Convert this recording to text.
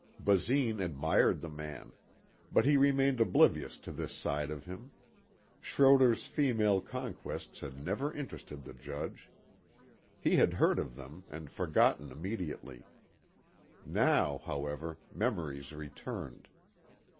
Basine admired the man. But he remained oblivious to this side of him. Schroder's female conquests had never interested the Judge. He had heard of them and forgotten immediately. Now, however, memories returned.